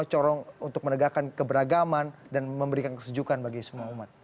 corong untuk menegakkan keberagaman dan memberikan kesejukan bagi semua umat